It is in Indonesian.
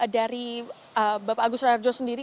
dari bapak agus rarjo sendiri